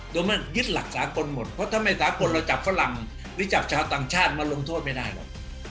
โดยเมื่อยึดหลักสากลหมดเพราะถ้าไม่สากลเราจับฝรั่งหรือจับชาวต่างชาติมาลงโทษไม่ได้หรอก